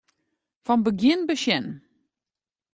Fan begjin besjen.